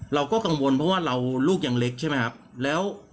เราก็กังวลเพราะว่าเราลูกยังเล็กใช่ไหมครับ